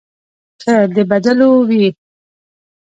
که د بدلو وي.